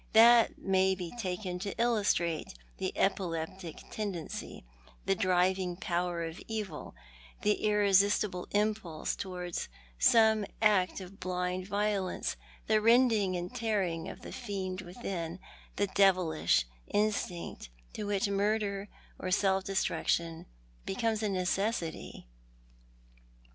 That may be taken to illustrate the epileptic tendency, the driving power of evil — the irresistible impulse towards some act of blind violence — the rending and tearing of the fiend within, the devilish instinct to which murder or self destruction becomes a necessity."